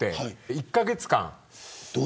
１カ月間。